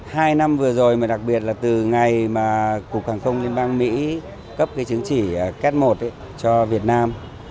hai năm vừa rồi mà đặc biệt là từ ngày mà cục hàng không liên bang mỹ cấp cái chứng chỉ ket một cho việt nam